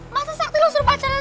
masa sakti lo suruh pacaran